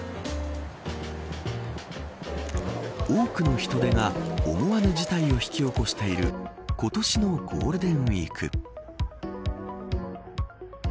多くの人出が思わぬ事態を引き起こしている今年のゴールデンウイーク。